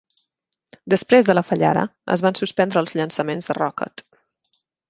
Després de la fallada, es van suspendre els llançaments de Rockot.